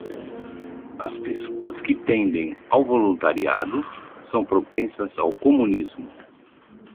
As pessoas que tendem ao voluntariado são propensas ao comunismo